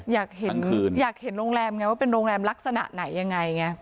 อยากเห็นคืนอยากเห็นโรงแรมไงว่าเป็นโรงแรมลักษณะไหนยังไงไง